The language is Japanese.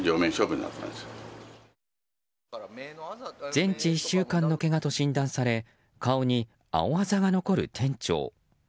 全治１週間のけがと診断され顔に青あざが残る店長。